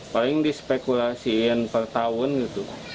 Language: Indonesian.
paling dispekulasiin per tahun gitu